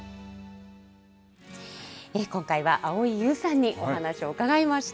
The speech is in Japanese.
今回は蒼井優さんにお話を伺いました。